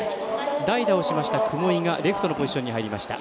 代打をしました雲井がレフトのポジションに入りました。